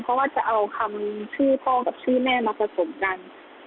เพราะว่าจะเอาคำชื่อพ่อกับชื่อแม่มาผสมกัน